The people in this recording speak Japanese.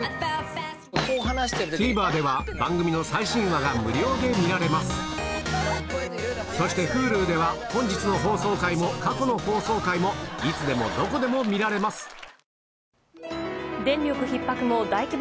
ＴＶｅｒでは番組の最新話が無料で見られますそしてＨｕｌｕでは本日の放送回も過去の放送回もいつでもどこでも見られます